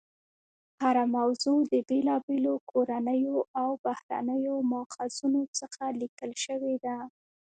هره موضوع د بېلابېلو کورنیو او بهرنیو ماخذونو څخه لیکل شوې ده.